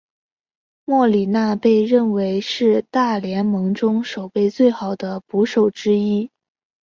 莫里纳被认为是大联盟中守备最好的捕手之一。